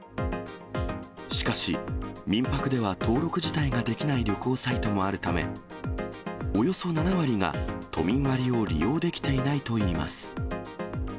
しかし、民泊では登録自体ができない旅行サイトもあるため、およそ７割が都民割を利用できていないといいます。